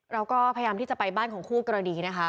เราก็พยายามที่จะไปบ้านของคู่กรณีนะคะ